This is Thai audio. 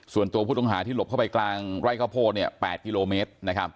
ส่วนตัวผู้ต้องหาที่หลบเข้าไปกลางไร่ข้าวโพด๘กิโลเมตร